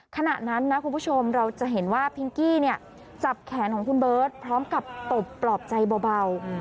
ขณะนั้นนะคุณผู้ชมเราจะเห็นว่าพิงกี้เนี่ยจับแขนของคุณเบิร์ตพร้อมกับตบปลอบใจเบา